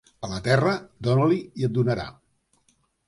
A la terra, dona-li i et donarà.